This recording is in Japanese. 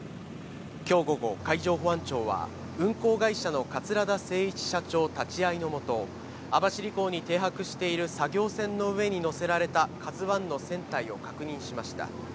きょう午後、海上保安庁は、運航会社の桂田精一社長立ち会いの下、網走港に停泊している作業船の上に載せられたＫＡＺＵＩの船体を確認しました。